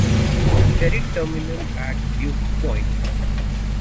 Ferry terminal at Duke Point.